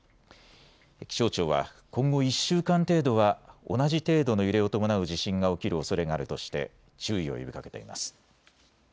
気象庁は今後１週間程度は同じ程度の揺れを伴う地震が起きるおそれがあるとして注意を呼びかけています。